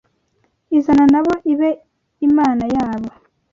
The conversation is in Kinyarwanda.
izana nabo ibe Imana yabo